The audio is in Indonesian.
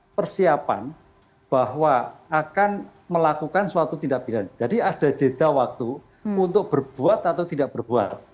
persiapan bahwa akan melakukan suatu tindak pidana jadi ada jeda waktu untuk berbuat atau tidak berbuat